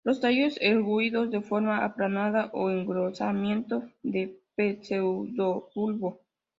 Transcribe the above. Los tallos erguidos de forma aplanada o engrosamiento de pseudobulbo.